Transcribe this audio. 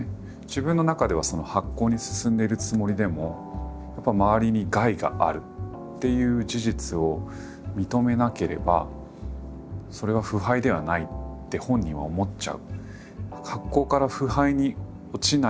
自分の中ではその発酵に進んでいるつもりでも周りに害があるっていう事実を認めなければそれは腐敗ではないって本人は思っちゃう。